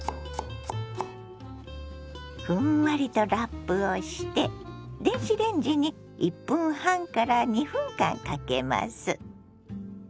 ふんわりとラップをして電子レンジに１分半から２分間かけます。